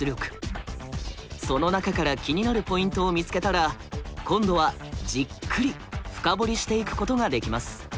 その中から気になるポイントを見つけたら今度はじっくり深掘りしていくことができます。